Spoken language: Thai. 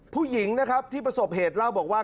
ผู้หญิงนะครับที่ประสบเหตุเล่าบอกว่า